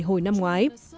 hồi năm ngoái